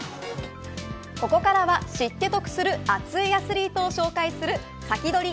ここからは知って得する熱いアスリートを紹介するサキドリ！